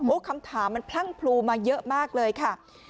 คำถามมันพลั่งพลูมาเยอะมากเลยค่ะ